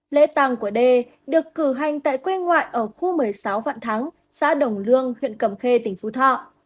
lễ tàng của d được cử hành tại quê ngoại ở khu một mươi sáu vạn thắng xã đồng lương huyện cầm khê tỉnh phú thọ